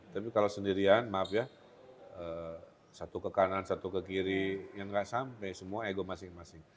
tapi kalau sendirian maaf ya satu ke kanan satu ke kiri yang nggak sampai semua ego masing masing